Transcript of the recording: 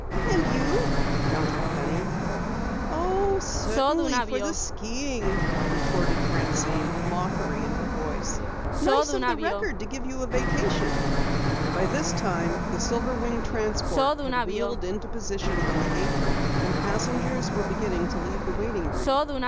"And you?" countered Penny. "Oh, certainly for the skiing," retorted Francine, mockery in her voice. "Nice of the Record to give you a vacation." By this time the silver winged transport had wheeled into position on the apron, and passengers were beginning to leave the waiting room.